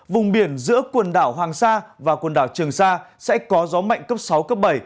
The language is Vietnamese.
vùng biển giữa quần đảo hoàng sa và quần đảo trường sa sẽ có gió mạnh cấp sáu cấp bảy